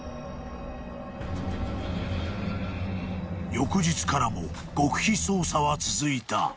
［翌日からも極秘捜査は続いた］